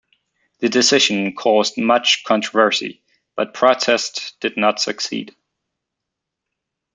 The decision caused much controversy, but protests did not succeed.